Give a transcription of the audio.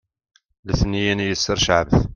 letniyen yesser ceɛbet